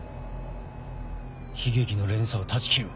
悲劇の連鎖を断ち切る。